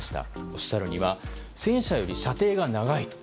おっしゃるには、戦車より射程が長いと。